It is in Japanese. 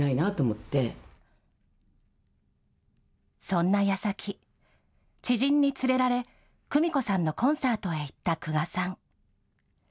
そんなやさき、知人に連れられ、クミコさんのコンサートへ行った久我さん。